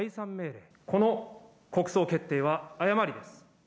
この国葬決定は誤りです。